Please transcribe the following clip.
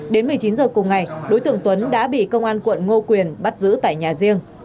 đến một mươi chín h cùng ngày đối tượng tuấn đã bị công an quận ngô quyền bắt giữ tại nhà riêng